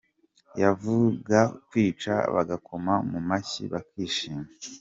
Yavuga kwica bagakoma mu mashyi bakishima!